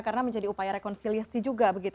karena menjadi upaya rekonsiliasi